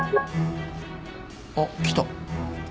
あっ来た。